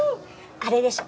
あれでしょ？